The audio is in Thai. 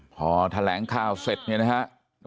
พอแถลงข้าวเสร็จนะครับ